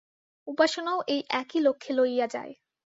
উপাসনাও এই একই লক্ষ্যে লইয়া যায়।